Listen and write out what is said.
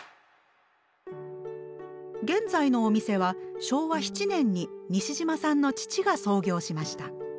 現在のお店は昭和７年に西島さんの父が創業しました。